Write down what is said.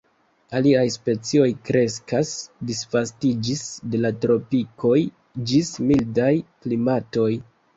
Aliaj specioj kreskas, disvastiĝis de la tropikoj ĝis mildaj klimatoj.